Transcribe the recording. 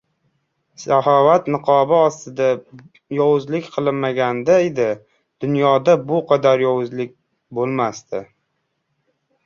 Saxovat iiqobi ostida yovuzlik qilinmaganda edi, dunyoda bu qadar yovuzlik bo‘lmasdi.